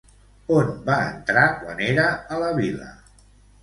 On va entrar quan era a la vila?